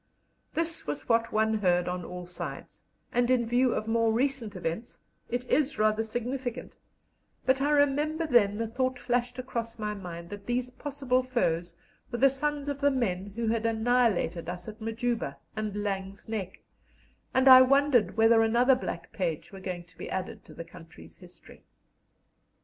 This was what one heard on all sides, and in view of more recent events it is rather significant; but I remember then the thought flashed across my mind that these possible foes were the sons of the men who had annihilated us at Majuba and Laing's Nek, and I wondered whether another black page were going to be added to the country's history.